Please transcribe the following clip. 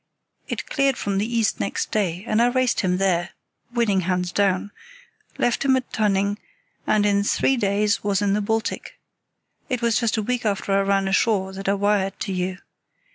It cleared from the east next day, and I raced him there, winning hands down, left him at Tönning, and in three days was in the Baltic. It was just a week after I ran ashore that I wired to you.